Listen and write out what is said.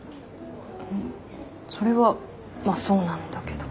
それはまあそうなんだけど。